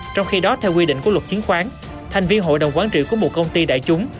trong khi đó theo quy định của luật chứng khoán thành viên hội đồng quán trị của một công ty đại chúng